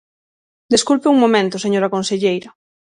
Desculpe un momento, señora conselleira.